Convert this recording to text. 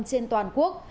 trên toàn quốc